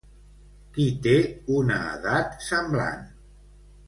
Qui té una edat semblant?